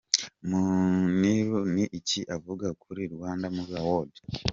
Muniru ni ki avuga kuri Rwanda Movie Awards?.